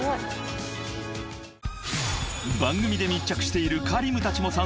［番組で密着しているＫａｒｉｍたちも参戦している